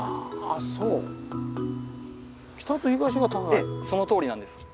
ええそのとおりなんです。